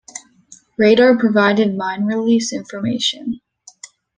Radar provided mine release information.